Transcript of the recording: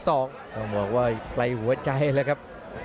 ต้องบอกว่าไกลหัวใจแล้วครับ